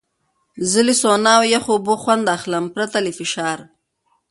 زه له سونا او یخو اوبو خوند اخلم، پرته له فشار.